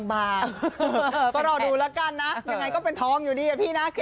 ถ้าเขาซื้อก็ต้องลงเดี๋ยวน้อยใจ